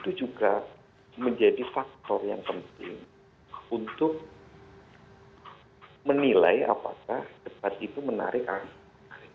tapi juga perangkah perangkah dari pohon pegawai mer trat mbtahan tempat depan kerja atau shnerin laban k stepus masih jadi saja butuh keterangan